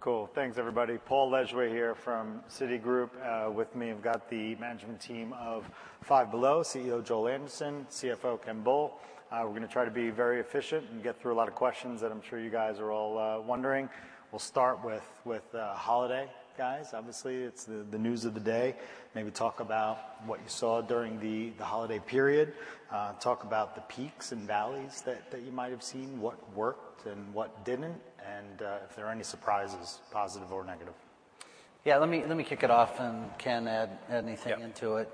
Cool. Thanks, everybody. Paul Lejuez here from Citigroup. With me, I've got the management team of Five Below, CEO, Joel Anderson, CFO, Ken Bull. We're gonna try to be very efficient and get through a lot of questions that I'm sure you guys are all wondering. We'll start with holiday, guys. Obviously, it's the news of the day. Maybe talk about what you saw during the holiday period. Talk about the peaks and valleys that you might have seen, what worked and what didn't, and if there are any surprises, positive or negative. Yeah, let me kick it off, and Ken, add anything into it.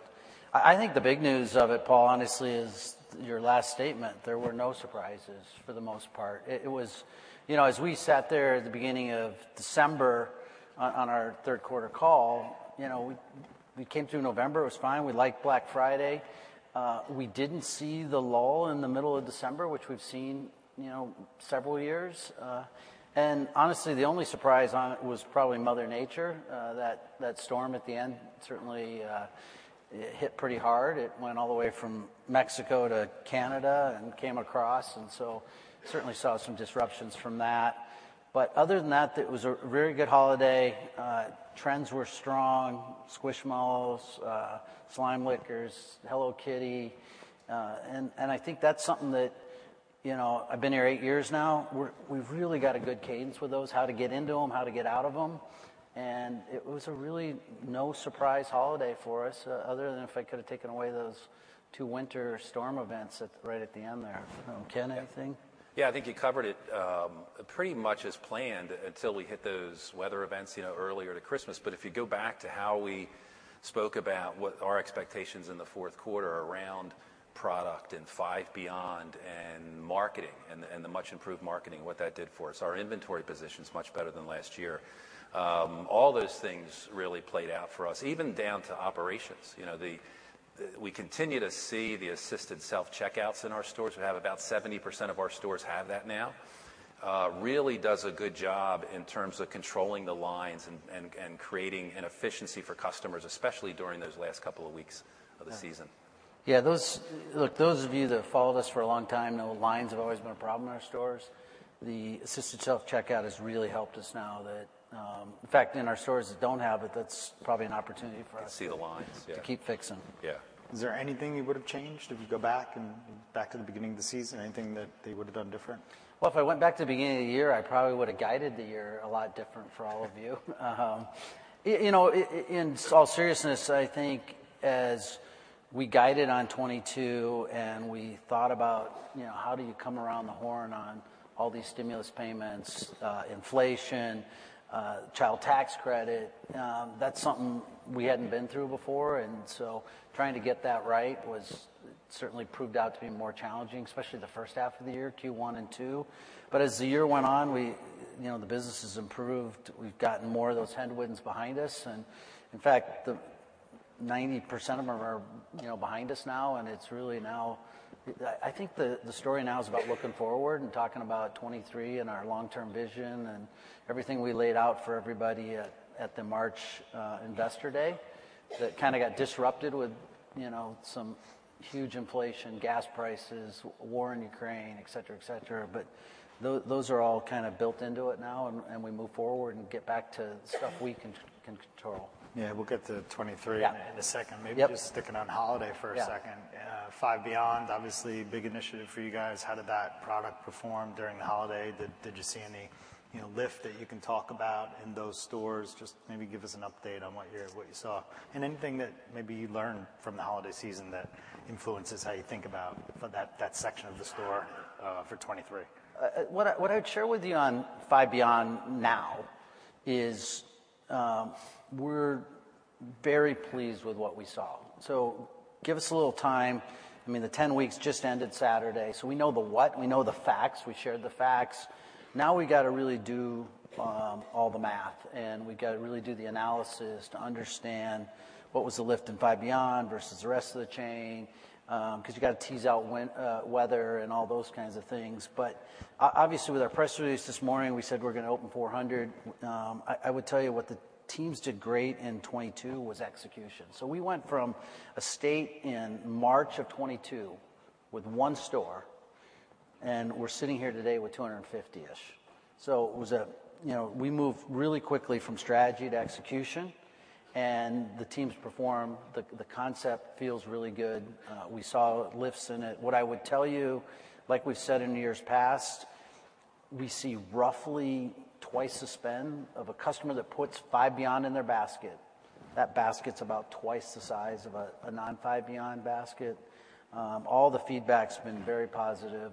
Yeah. I think the big news of it, Paul Lejuez, honestly, is your last statement. There were no surprises for the most part. It was. You know, as we sat there at the beginning of December on our third quarter call, you know, we came through November. It was fine. We liked Black Friday. We didn't see the lull in the middle of December, which we've seen, you know, several years. Honestly, the only surprise on it was probably Mother Nature. That storm at the end certainly hit pretty hard. It went all the way from Mexico to Canada and came across. Certainly saw some disruptions from that. Other than that, it was a very good holiday. Trends were strong. Squishmallows, Slime Lickers, Hello Kitty. I think that's something that, you know, I've been here eight years now. We've really got a good cadence with those, how to get into them, how to get out of them. It was a really no surprise holiday for us other than if I could have taken away those two winter storm events at, right at the end there. Ken, anything? I think you covered it, pretty much as planned until we hit those weather events, you know, earlier to Christmas. If you go back to how we spoke about what our expectations in the fourth quarter around product and Five Beyond and marketing and the much improved marketing, what that did for us, our inventory position's much better than last year. All those things really played out for us, even down to operations. You know, we continue to see the assisted self-checkouts in our stores. We have about 70% of our stores have that now. Really does a good job in terms of controlling the lines and creating an efficiency for customers, especially during those last couple of weeks of the season. Yeah, look, those of you that have followed us for a long time know lines have always been a problem in our stores. The assisted self-checkout has really helped us now that, in fact, in our stores that don't have it, that's probably an opportunity for us. To see the lines, yeah. to keep fixing. Yeah. Is there anything you would've changed if you go back to the beginning of the season? Anything that they would've done different? Well, if I went back to the beginning of the year, I probably would've guided the year a lot different for all of you. You know, in all seriousness, I think as we guided on 2022 and we thought about, you know, how do you come around the horn on all these stimulus payments, inflation, Child Tax Credit, that's something we hadn't been through before. Trying to get that right was certainly proved out to be more challenging, especially the first half of the year, Q1 and Q2. As the year went on, you know, the business has improved. We've gotten more of those headwinds behind us, and in fact, the 90% of them are, you know, behind us now. I think the story now is about looking forward and talking about 2023 and our long-term vision and everything we laid out for everybody at the March Investor Day that kinda got disrupted with, you know, some huge inflation, gas prices, war in Ukraine, et cetera, et cetera. Those are all kinda built into it now, and we move forward and get back to stuff we can control. Yeah, we'll get to 2023- Yeah. in a second. Yep. Maybe just sticking on holiday for a second. Yeah. Five Beyond, obviously big initiative for you guys. How did that product perform during the holiday? Did you see any, you know, lift that you can talk about in those stores? Just maybe give us an update on what you saw, and anything that maybe you learned from the holiday season that influences how you think about that section of the store for 2023? What I'd share with you on Five Beyond now is, we're very pleased with what we saw. Give us a little time. I mean, the 10 weeks just ended Saturday, we know the what, and we know the facts. We shared the facts. We gotta really do all the math, and we gotta really do the analysis to understand what was the lift in Five Beyond versus the rest of the chain, 'cause you gotta tease out win, weather and all those kinds of things. Obviously, with our press release this morning, we said we're gonna open 400. I would tell you what the teams did great in 2022 was execution. We went from a state in March of 2022 with one store, and we're sitting here today with 250-ish. It was a, you know, we moved really quickly from strategy to execution, and the teams performed. The concept feels really good. We saw lifts in it. What I would tell you, like we've said in years past, we see roughly twice the spend of a customer that puts Five Beyond in their basket. That basket's about twice the size of a non-Five Beyond basket. All the feedback's been very positive,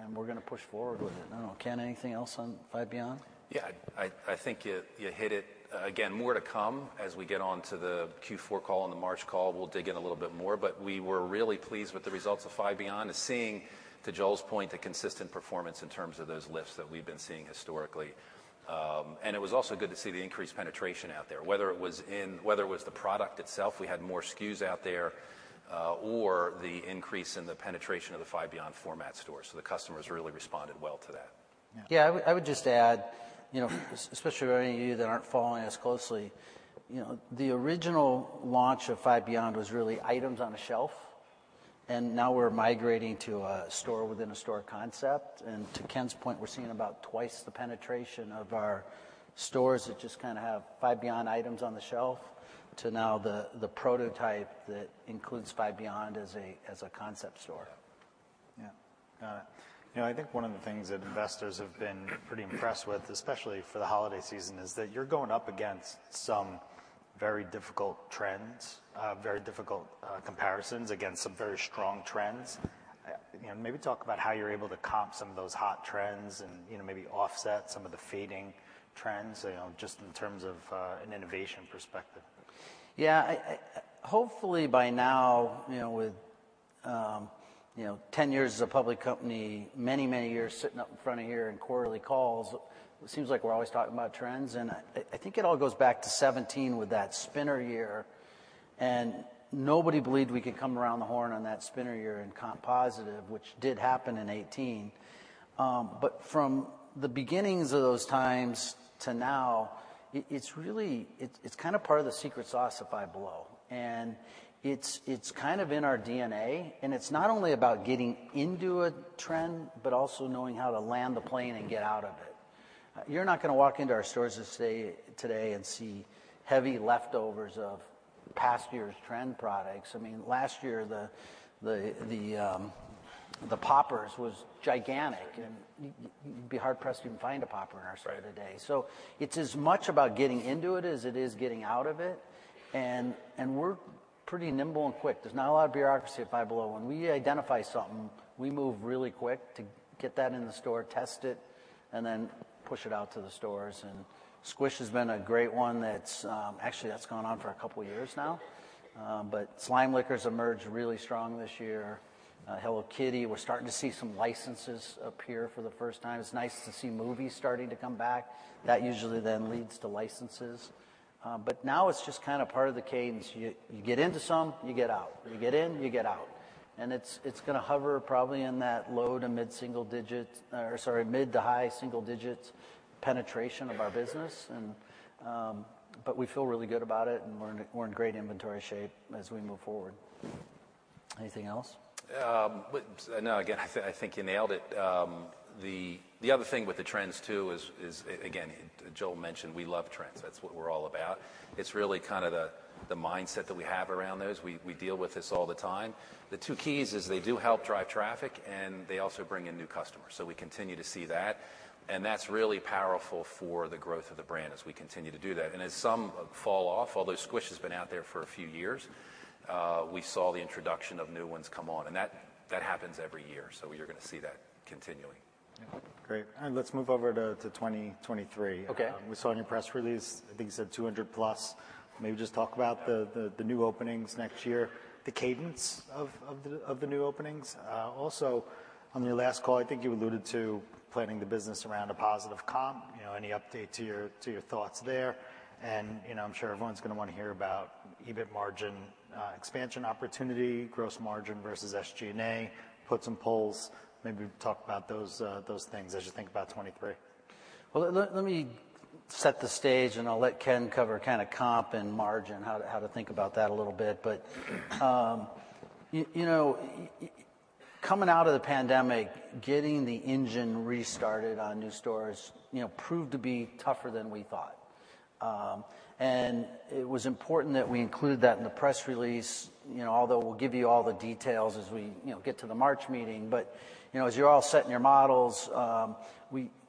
and we're gonna push forward with it. I don't know. Ken, anything else on Five Beyond? Yeah, I think you hit it. Again, more to come as we get onto the Q4 call and the March call. We'll dig in a little bit more. We were really pleased with the results of Five Beyond and seeing, to Joel's point, the consistent performance in terms of those lifts that we've been seeing historically. And it was also good to see the increased penetration out there. Whether it was the product itself, we had more SKUs out there, or the increase in the penetration of the Five Beyond format stores. The customers really responded well to that. Yeah, I would just add, you know, especially for any of you that aren't following us closely, you know, the original launch of Five Beyond was really items on a shelf. Now we're migrating to a store within a store concept. To Ken's point, we're seeing about twice the penetration of our stores that just kinda have Five Below items on the shelf to now the prototype that includes Five Below as a concept store. Yeah. Got it. You know, I think one of the things that investors have been pretty impressed with, especially for the holiday season, is that you're going up against some very difficult trends, very difficult comparisons against some very strong trends. You know, maybe talk about how you're able to comp some of those hot trends and, you know, maybe offset some of the fading trends, you know, just in terms of an innovation perspective. Yeah. Hopefully by now, you know, with, you know, 10 years as a public company, many, many years sitting up in front of here in quarterly calls, it seems like we're always talking about trends. I think it all goes back to 2017 with that spinner year, and nobody believed we could come around the horn on that spinner year and comp positive, which did happen in 2018. From the beginnings of those times to now, it's kinda part of the secret sauce of Five Below. It's, it's kind of in our DNA, and it's not only about getting into a trend, but also knowing how to land the plane and get out of it. You're not gonna walk into our stores today and see heavy leftovers of past years' trend products. I mean, last year, the poppers was gigantic. And you'd be hard-pressed to even find a popper in our store today. Right. It's as much about getting into it as it is getting out of it. We're pretty nimble and quick. There's not a lot of bureaucracy at Five Below. When we identify something, we move really quick to get that in the store, test it, and then push it out to the stores. Squish has been a great one that's actually that's gone on for a couple years now. Slime Lickers emerged really strong this year. Hello Kitty. We're starting to see some licenses appear for the first time. It's nice to see movies starting to come back. That usually then leads to licenses. Now it's just kind of part of the cadence. You get into some, you get out. You get in, you get out. It's gonna hover probably in that low to mid-single-digit or sorry, mid to high single digits penetration of our business. We feel really good about it, and we're in great inventory shape as we move forward. Anything else? No, again, I think you nailed it. The other thing with the trends too is again, Joel mentioned we love trends. That's what we're all about. It's really kinda the mindset that we have around those. We deal with this all the time. The two keys is they do help drive traffic, and they also bring in new customers. We continue to see that, and that's really powerful for the growth of the brand as we continue to do that. As some fall off, although Squish has been out there for a few years, we saw the introduction of new ones come on, and that happens every year. You're gonna see that continuing. Great. Let's move over to 2023. Okay. We saw in your press release, I think you said 200+. Maybe just talk about the new openings next year, the cadence of the new openings. Also, on your last call, I think you alluded to planning the business around a positive comp. You know, any update to your thoughts there? You know, I'm sure everyone's gonna wanna hear about EBIT margin expansion opportunity, gross margin versus SG&A. Put some polls. Maybe talk about those things as you think about 2023. Well, let me set the stage, and I'll let Ken cover kinda comp and margin, how to think about that a little bit. You know, coming out of the pandemic, getting the engine restarted on new stores, you know, proved to be tougher than we thought. It was important that we include that in the press release. You know, although we'll give you all the details as we, you know, get to the March meeting. You know, as you're all setting your models,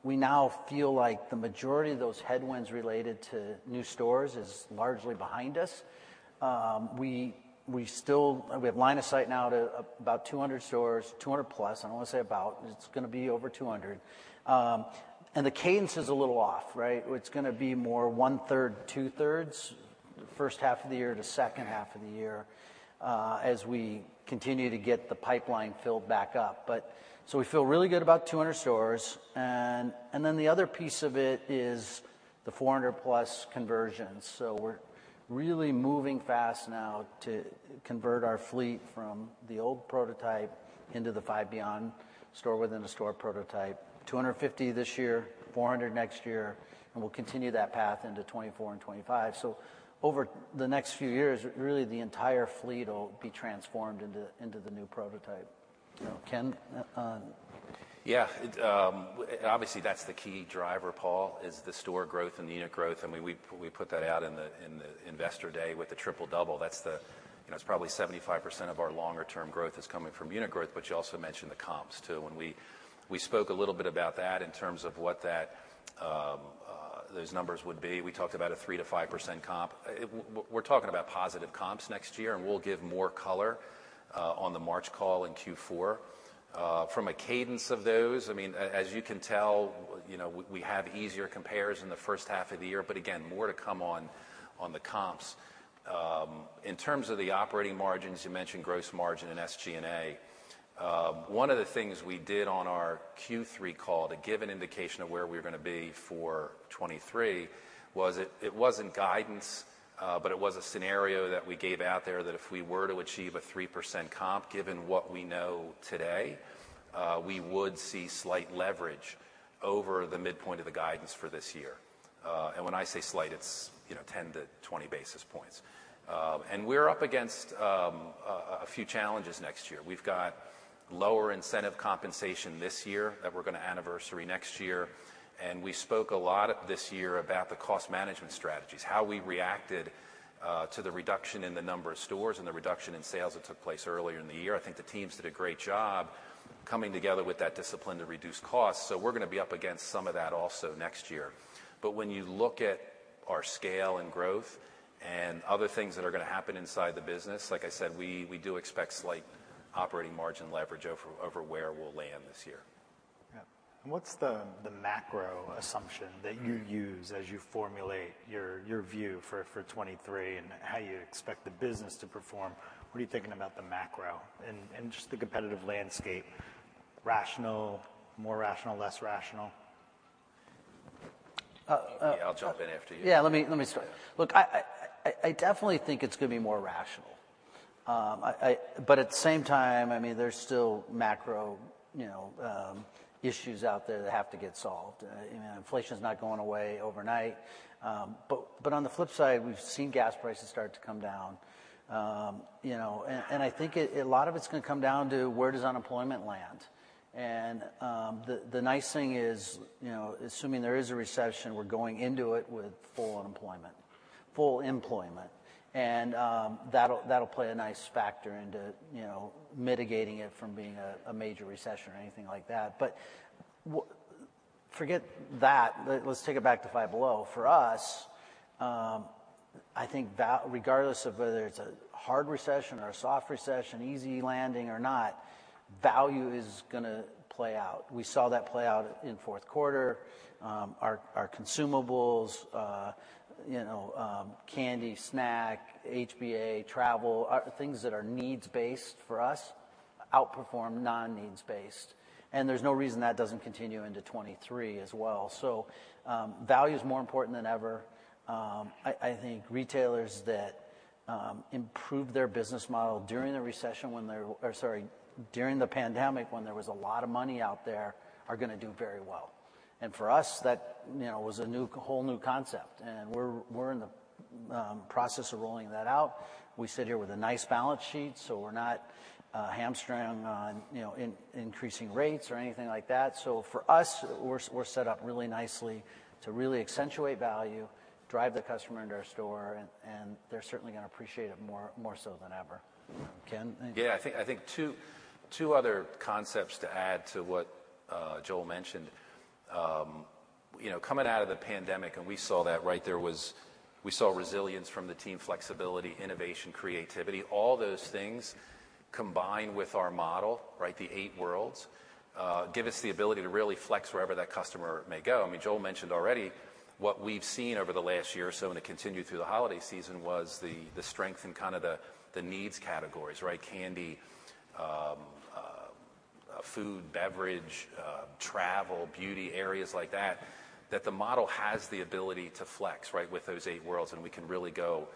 we now feel like the majority of those headwinds related to new stores is largely behind us. We still have line of sight now to about 200 stores, 200+. I don't wanna say about. It's gonna be over 200. The cadence is a little off, right? It's gonna be more one-third, two-thirds, first half of the year to second half of the year, as we continue to get the pipeline filled back up. We feel really good about 200 stores. The other piece of it is the 400 plus conversions. We're really moving fast now to convert our fleet from the old prototype into the Five Below store within a store prototype. 250 this year, 400 next year, and we'll continue that path into 2024 and 2025. Over the next few years, really the entire fleet'll be transformed into the new prototype. You know, Ken. Yeah. Obviously, that's the key driver, Paul, is the store growth and the unit growth. I mean, we put that out in the investor day with the Triple-Double. That's the, you know, it's probably 75% of our longer term growth is coming from unit growth, but you also mentioned the comps too. When we spoke a little bit about that in terms of what that those numbers would be. We talked about a 3%-5% comp. We're talking about positive comps next year, and we'll give more color on the March call in Q4. From a cadence of those, I mean, as you can tell, you know, we have easier compares in the first half of the year, but again, more to come on the comps. In terms of the operating margins, you mentioned gross margin and SG&A. One of the things we did on our Q3 call to give an indication of where we're gonna be for 2023 was it wasn't guidance, but it was a scenario that we gave out there that if we were to achieve a 3% comp, given what we know today, we would see slight leverage over the midpoint of the guidance for this year. When I say slight, it's, you know, 10-20 basis points. We're up against a few challenges next year. We've got lower incentive compensation this year that we're gonna anniversary next year. We spoke a lot at this year about the cost management strategies, how we reacted to the reduction in the number of stores and the reduction in sales that took place earlier in the year. I think the teams did a great job coming together with that discipline to reduce costs. We're gonna be up against some of that also next year. When you look at our scale and growth and other things that are gonna happen inside the business, like I said, we do expect slight operating margin leverage over where we'll land this year. Yeah. What's the macro assumption that you use as you formulate your view for 2023 and how you expect the business to perform? What are you thinking about the macro and just the competitive landscape? Rational, more rational, less rational? I'll jump in after you. Yeah, let me start. Yeah. Look, I definitely think it's gonna be more rational. At the same time, I mean, there's still macro, you know, issues out there that have to get solved. You know, inflation's not going away overnight. On the flip side, we've seen gas prices start to come down. You know, I think a lot of it's gonna come down to where does unemployment land? The nice thing is, you know, assuming there is a recession, we're going into it with full employment. That'll play a nice factor into, you know, mitigating it from being a major recession or anything like that. Forget that. Let's take it back to Five Below. For us, I think regardless of whether it's a hard recession or a soft recession, easy landing or not, value is gonna play out. We saw that play out in fourth quarter. Our, our consumables, you know, candy, snack, HBA, travel, things that are needs-based for us, outperform non-needs-based. There's no reason that doesn't continue into 2023 as well. Value's more important than ever. I think retailers that improve their business model during the recession, or sorry, during the pandemic, when there was a lot of money out there, are gonna do very well. For us, that, you know, was a new, whole new concept. We're, we're in the process of rolling that out. We sit here with a nice balance sheet, we're not hamstrung on, you know, increasing rates or anything like that. For us, we're set up really nicely to really accentuate value, drive the customer into our store, and they're certainly gonna appreciate it more so than ever. Ken? Yeah. I think two other concepts to add to what Joel mentioned. You know, coming out of the pandemic, and we saw that, right? We saw resilience from the team, flexibility, innovation, creativity. All those things combined with our model, right? The eight worlds, give us the ability to really flex wherever that customer may go. I mean, Joel mentioned already what we've seen over the last year or so, and it continued through the holiday season, was the strength in kind of the needs categories, right? Candy, food, beverage, travel, beauty areas like that the model has the ability to flex, right? With those eight worlds, and we can really go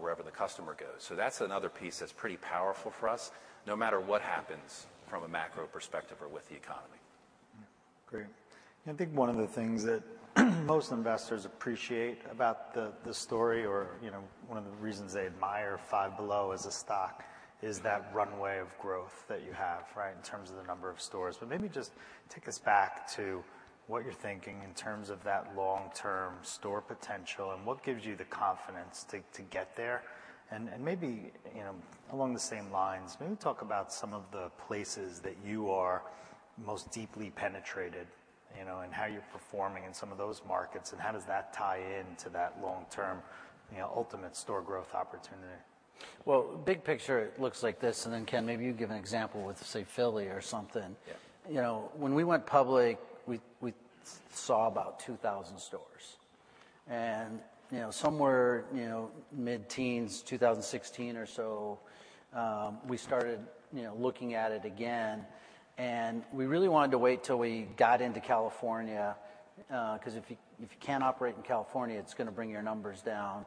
wherever the customer goes. That's another piece that's pretty powerful for us, no matter what happens from a macro perspective or with the economy. Great. I think one of the things that most investors appreciate about the story or, you know, one of the reasons they admire Five Below as a stock is that runway of growth that you have, right? In terms of the number of stores. Maybe just take us back to what you're thinking in terms of that long-term store potential and what gives you the confidence to get there. Maybe, you know, along the same lines, maybe talk about some of the places that you are most deeply penetrated, you know, and how you're performing in some of those markets and how does that tie in to that long-term, you know, ultimate store growth opportunity. Well, big picture, it looks like this, then Ken, maybe you give an example with, say, Philly or something. Yeah. You know, when we went public, we saw about 2,000 stores. You know, somewhere, you know, mid-teens, 2016 or so, we started, you know, looking at it again, and we really wanted to wait till we got into California, 'cause if you, if you can't operate in California, it's gonna bring your numbers down.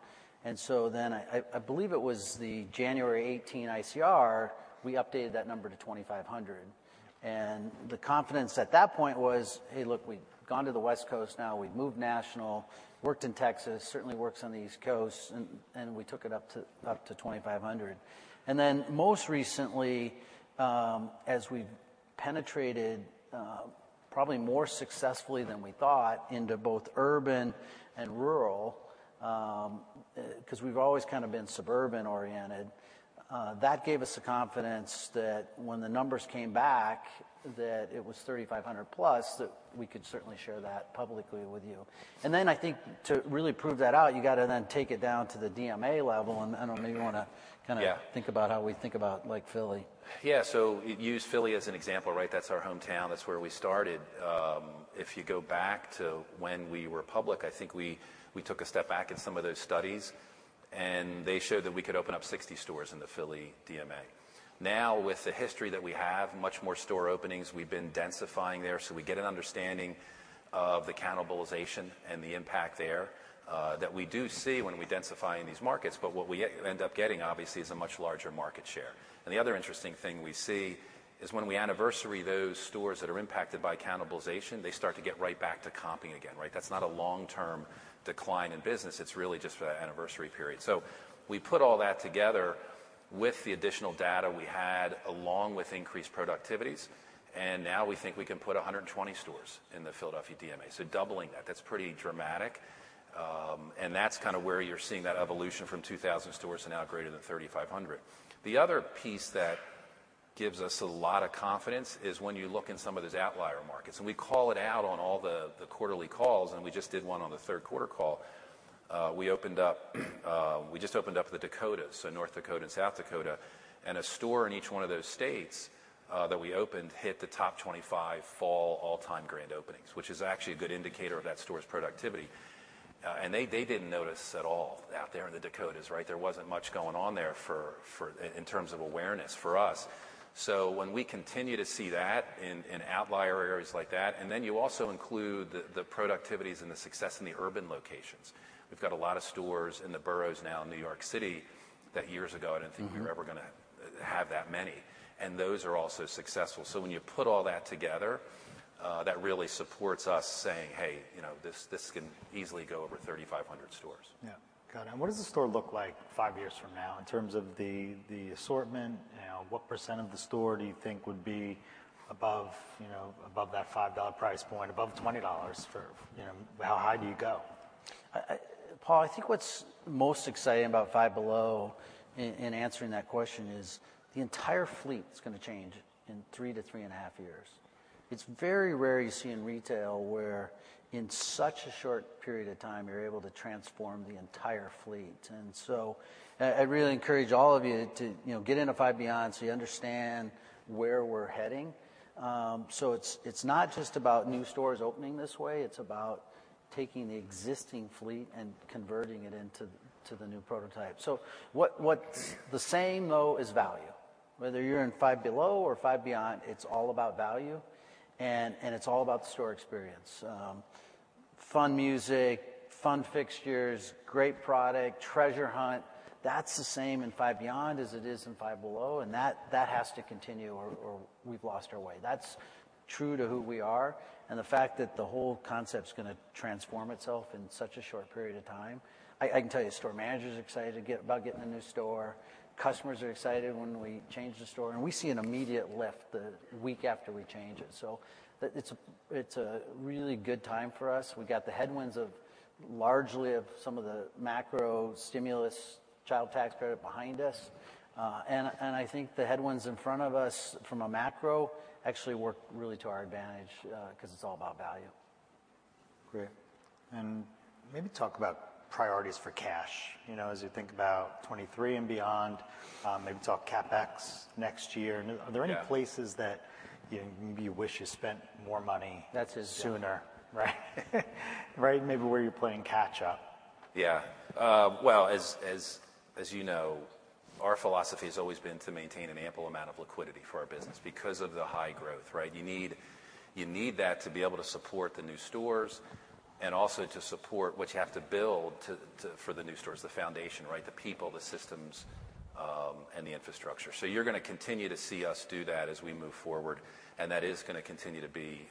I believe it was the January 18 ICR, we updated that number to 2,500. The confidence at that point was, hey, look, we've gone to the West Coast now, we've moved national, worked in Texas, certainly works on the East Coast, and we took it up to 2,500. Most recently, as we've penetrated, probably more successfully than we thought into both urban and rural, 'cause we've always kind of been suburban-oriented, that gave us the confidence that when the numbers came back, that it was 3,500+, that we could certainly share that publicly with you. I think to really prove that out, you gotta then take it down to the DMA level, and I don't know maybe. Yeah. kinda think about how we think about, like, Philly. Use Philly as an example, right? That's our hometown. That's where we started. If you go back to when we were public, I think we took a step back in some of those studies, and they showed that we could open up 60 stores in the Philly DMA. With the history that we have, much more store openings, we've been densifying there, so we get an understanding of the cannibalization and the impact there that we do see when we densify in these markets, but what we end up getting, obviously, is a much larger market share. The other interesting thing we see is when we anniversary those stores that are impacted by cannibalization, they start to get right back to comping again, right? That's not a long-term decline in business. It's really just for that anniversary period. We put all that together with the additional data we had, along with increased productivities, and now we think we can put 120 stores in the Philadelphia DMA. Doubling that. That's pretty dramatic. And that's kind of where you're seeing that evolution from 2,000 stores to now greater than 3,500. The other piece that gives us a lot of confidence is when you look in some of these outlier markets. We call it out on all the quarterly calls, and we just did one on the third quarter call. We opened up, we just opened up the Dakotas, so North Dakota and South Dakota. A store in each one of those states that we opened hit the top 25 fall all-time grand openings, which is actually a good indicator of that store's productivity. They didn't notice at all out there in the Dakotas, right? There wasn't much going on there for in terms of awareness for us. When we continue to see that in outlier areas like that, and then you also include the productivities and the success in the urban locations. We've got a lot of stores in the boroughs now in New York City that years ago. Mm-hmm. I didn't think we were ever gonna have that many. Those are also successful. When you put all that together, that really supports us saying, "Hey, you know, this can easily go over 3,500 stores. Yeah. Got it. What does the store look like five years from now in terms of the assortment? You know, what % of the store do you think would be above, you know, above that $5 price point, above $20 for, you know, how high do you go? Paul, I think what's most exciting about Five Below in answering that question is the entire fleet's gonna change in 3-3.5 years. It's very rare you see in retail where in such a short period of time you're able to transform the entire fleet. I really encourage all of you to, you know, get into Five Beyond so you understand where we're heading. It's not just about new stores opening this way, it's about taking the existing fleet and converting it to the new prototype. What's the same though is value. Whether you're in Five Below or Five Beyond, it's all about value, and it's all about the store experience. Fun music, fun fixtures, great product, treasure hunt. That's the same in Five Beyond as it is in Five Below, and that has to continue or we've lost our way. That's true to who we are and the fact that the whole concept's gonna transform itself in such a short period of time. I can tell you the store manager's excited about getting the new store. Customers are excited when we change the store. We see an immediate lift the week after we change it. It's a really good time for us. We got the headwinds of largely of some of the macro stimulus Child Tax Credit behind us. And I think the headwinds in front of us from a macro actually work really to our advantage 'cause it's all about value. Great. maybe talk about priorities for cash, you know, as you think about 2023 and beyond. maybe talk CapEx next year. Yeah.... places that, you know, maybe you wish you spent more money. That's his job.... sooner, right. Right? Maybe where you're playing catch-up. Well, as you know, our philosophy has always been to maintain an ample amount of liquidity for our business because of the high growth, right? You need that to be able to support the new stores and also to support what you have to build to for the new stores, the foundation, right? The people, the systems, and the infrastructure. You're gonna continue to see us do that as we move forward, and that is gonna continue to be,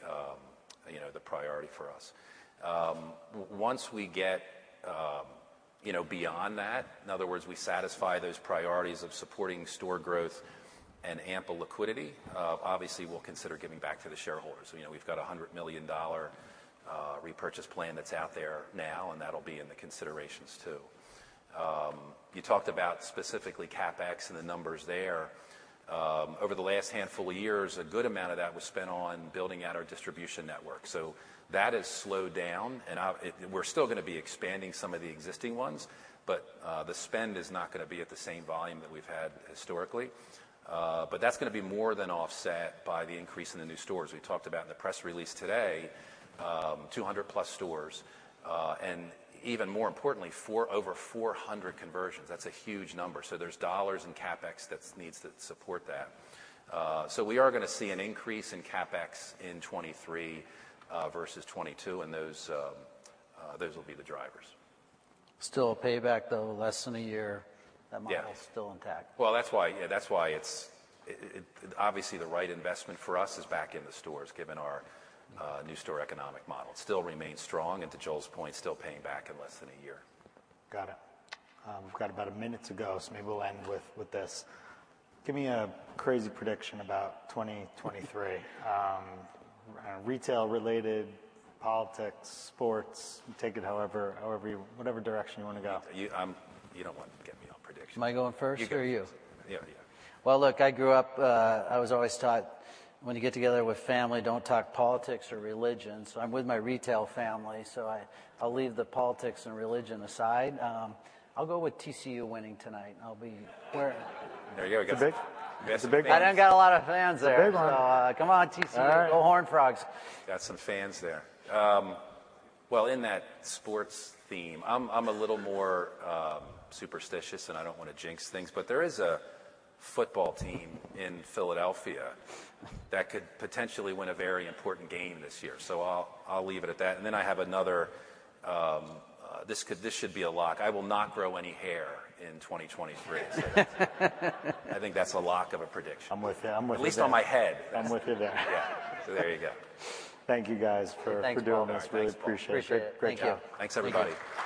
you know, the priority for us. Once we get, you know, beyond that, in other words, we satisfy those priorities of supporting store growth and ample liquidity, obviously we'll consider giving back to the shareholders. You know, we've got a $100 million repurchase plan that's out there now, and that'll be in the considerations too. You talked about specifically CapEx and the numbers there. Over the last handful of years, a good amount of that was spent on building out our distribution network. That has slowed down. We're still gonna be expanding some of the existing ones, but, the spend is not gonna be at the same volume that we've had historically. That's gonna be more than offset by the increase in the new stores. We talked about in the press release today, 200+ stores, and even more importantly, over 400 conversions. That's a huge number. There's dollars in CapEx that's needs to support that. We are gonna see an increase in CapEx in 2023, versus 2022, and those will be the drivers. Still a payback, though, less than a year. Yeah. That model's still intact. That's why it's obviously the right investment for us is back in the stores, given our new store economic model. Still remains strong and to Joel's point, still paying back in less than a year. Got it. We've got about a minute to go, so maybe we'll end with this. Give me a crazy prediction about 2023. Retail-related, politics, sports. Take it however whatever direction you wanna go. You don't wanna get me on predictions. Am I going first or you? You go. Yeah, yeah. Look, I grew up, I was always taught when you get together with family, don't talk politics or religion. I'm with my retail family, so I'll leave the politics and religion aside. I'll go with TCU winning tonight and I'll be wearing- There you go. It's a big- You got some big fans. It's a big fan. I don't got a lot of fans there. It's a big one. Come on, TCU. All right. Go Horned Frogs. Got some fans there. Well, in that sports theme, I'm a little more superstitious, and I don't wanna jinx things. There is a football team in Philadelphia that could potentially win a very important game this year. I'll leave it at that. I have another, this should be a lock. I will not grow any hair in 2023. I think that's a lock of a prediction. I'm with you. I'm with you there. At least on my head. I'm with you there. Yeah. There you go. Thank you guys for doing this. Yeah, thanks, Paul. Really appreciate it. Appreciate it. Great job. Thanks, everybody. Thank you.